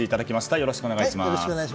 よろしくお願いします。